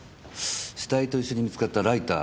死体と一緒に見つかったライター